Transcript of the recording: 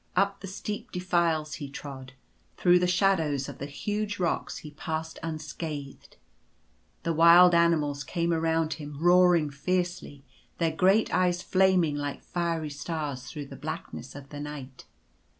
Up the steep defiles he trod. Through the shadows of the huge rocks he passed unscathed. The wild animals came around him roaring fiercely — their great eyes flaming like fiery stars through the blackness of the night.